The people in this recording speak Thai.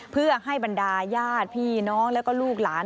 เพื่อให้บรรดาญาติพี่น้องแล้วก็ลูกหลาน